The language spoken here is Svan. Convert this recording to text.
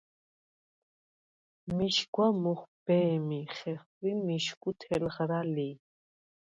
მიშგვა მუხვბე̄მი ხეხვი მიშგუ თელღრა ლი.